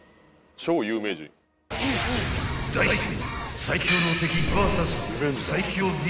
［題して］